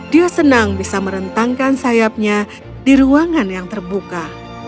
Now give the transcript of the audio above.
dia senang bisa merentangkan sayapnya di ruangan yang terbuka